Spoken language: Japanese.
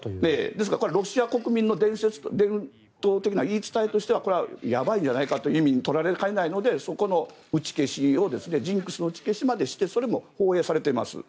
ですから、ロシア国民の伝統的な言い伝えではこれはやばいんじゃないかと取られかねないのでそこの打ち消しをジンクスの打ち消しまでして放映されています。